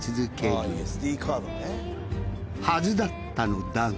はずだったのだが。